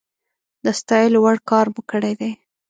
د ستايلو وړ کار مو کړی دی